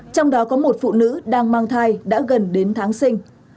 trong đó có một phụ nữ đang mang thai đã gần đến tháng sinh